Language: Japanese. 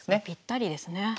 ぴったりですね。